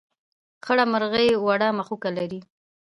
خړه مرغۍ وړه مښوکه لري.